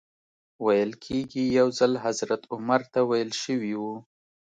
ویل کېږي یو ځل حضرت عمر ته ویل شوي و.